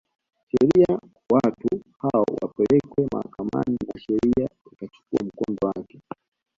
sheria watu hao wapelekwe mahakamani na sheria ikachukua mkondo wake